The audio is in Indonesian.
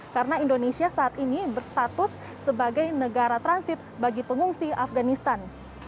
karena indonesia saat ini berstatus sebagai negara transit bagi pengungsi afganistan